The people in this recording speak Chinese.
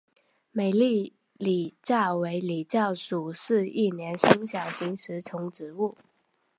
美丽狸藻为狸藻属似一年生小型食虫植物。